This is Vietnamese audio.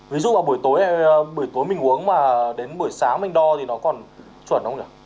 ví dụ vào buổi tối buổi tối mình uống mà đến buổi sáng mình đo thì nó còn chuẩn không được